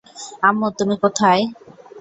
আম্মু, তুমি কোথায়?